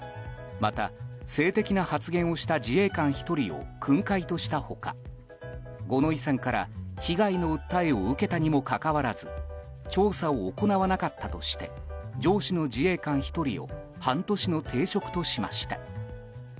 また、性的な発言をした自衛官１人を訓戒とした他五ノ井さんから被害の訴えを受けたにもかかわらず調査を行わなかったとして上司の自衛官１人を半年の停職としました。